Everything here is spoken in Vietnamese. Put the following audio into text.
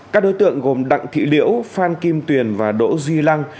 các đối tượng gồm đặng thị liễu phan kim tuyền và đỗ duy lăng